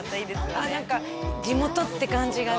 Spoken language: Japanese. ああ何か地元って感じがね